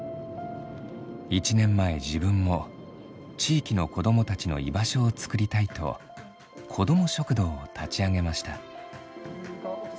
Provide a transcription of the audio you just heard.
１年前自分も地域の子どもたちの居場所を作りたいと子ども食堂を立ち上げました。